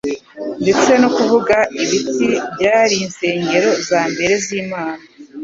Ndetse no kuvuga ibiti byari insengero zambere zImana